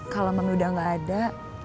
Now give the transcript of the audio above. kalau menu udah gak ada